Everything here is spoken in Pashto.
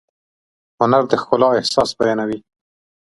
هنر د ښکلا احساس بیانوي.